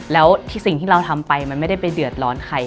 แล้วสิ่งที่เราทำไปมันไม่ได้ไปเดือดร้อนใคร